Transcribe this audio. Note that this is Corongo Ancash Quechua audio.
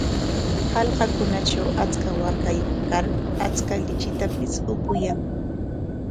Hallqakunatraw achka waakayuq kar achka lichitapis upuyan.